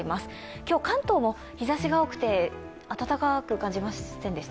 今日、関東も日ざしが多くて暖かく感じませんでした？